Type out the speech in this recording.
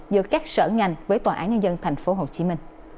giữa các sở ngành với tòa án nhân dân tp hcm